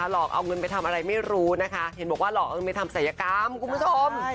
หลอกเอาเงินไปทำอะไรไม่รู้นะคะเห็นบอกว่าหลอกเออไม่ทำศัยกรรมคุณผู้ชม